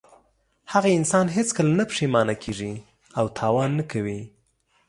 هغه انسان هېڅکله نه پښېمانه کیږي او تاوان نه کوي.